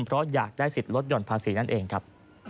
เพราะอยากได้สิทธิ์ลดห่อนภาษีนั่นเองครับ